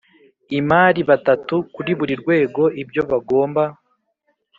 imari batatu kuri buri rwego Ibyo bagomba